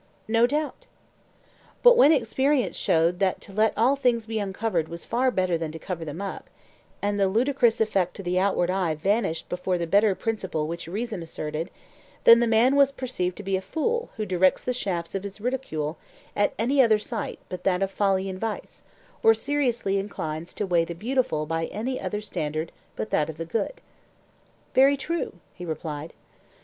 No doubt. But when experience showed that to let all things be uncovered was far better than to cover them up, and the ludicrous effect to the outward eye vanished before the better principle which reason asserted, then the man was perceived to be a fool who directs the shafts of his ridicule at any other sight but that of folly and vice, or seriously inclines to weigh the beautiful by any other standard but that of the good. Very true, he replied.